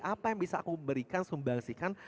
apa yang bisa aku berikan sumbangsikan